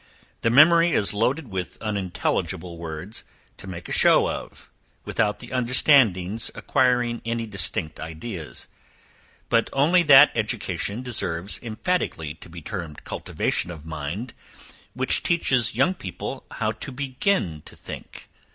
The memory is loaded with unintelligible words, to make a show of, without the understanding's acquiring any distinct ideas: but only that education deserves emphatically to be termed cultivation of mind, which teaches young people how to begin to think.